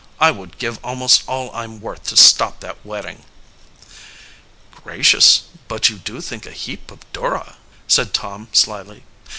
"I would give almost all I'm worth to stop that wedding." "Gracious, but you do think a heap of Dora!" said Tom slyly.